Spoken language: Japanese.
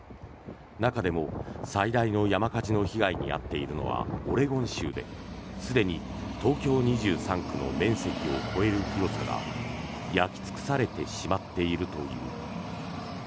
中でも最大の山火事の被害に遭っているのはオレゴン州ですでに東京２３区の面積を超える広さが焼き尽くされてしまっているという。